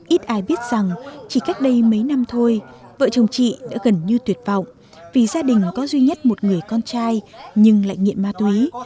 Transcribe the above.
ít ai biết rằng chỉ cách đây mấy năm thôi vợ chồng chị đã gần như tuyệt vọng vì gia đình có duy nhất một người con trai nhưng lại nghiện ma túy